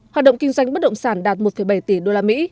hoạt động kinh doanh bất động sản đạt một bảy tỷ usd